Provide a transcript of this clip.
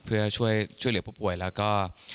เพื่อช่วยเหลือผู้ป่วยแล้วก็